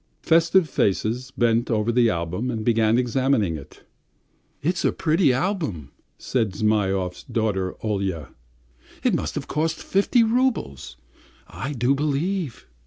Festive faces bent over the album and began examining it. "It's a pretty album," said Zhmyhov's daughter Olya, "it must have cost fifty roubles, I do believe.